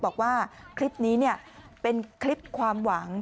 บอกว่าคลิปนี้เป็นคลิปความหวัง